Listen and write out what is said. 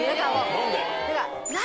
何で？